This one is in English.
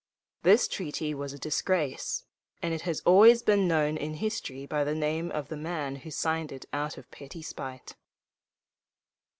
This treaty was a disgrace, and it has always been known in history by the name of the man who signed it out of petty spite.